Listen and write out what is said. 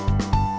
oke sampai jumpa